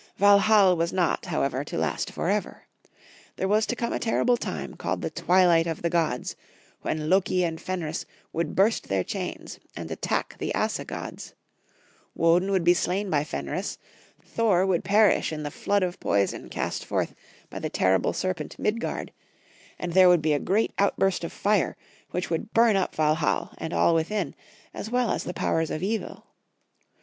Valhall was not, however, to last for ever. • There was to come a terrible time called the Twilight of the Gods, when Loki and Fenris would burst their chains and attack the Asa gods ; Woden would be slain by Fenris ; Thor would perish in the flood of Valhall. 25 poison cast forth by the terrible serpent Midgard ; and there would be a great outburst of fire, which would burn up Valhall and all within, as well as the powers of evil.